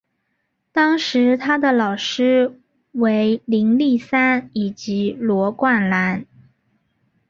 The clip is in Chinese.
当时他的老师为林立三以及罗冠兰。